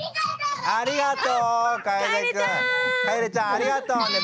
ありがとうね。